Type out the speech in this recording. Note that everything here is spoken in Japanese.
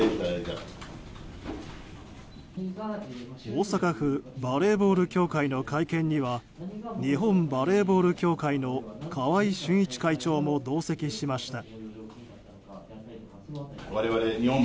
大阪府バレーボール協会の会見には日本バレーボール協会の川合俊一会長も同席しました。